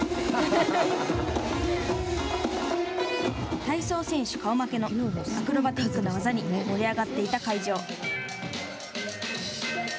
体操選手顔負けのアクロバティックな技に盛り上がっていた会場。